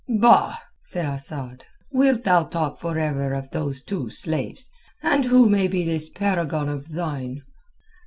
"Bah!" said Asad. "Wilt thou talk forever of those two slaves? And who may be this paragon of thine?"